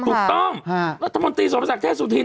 ถูกต้องรัฐมนตรีสมศักดิ์เทพสุธิน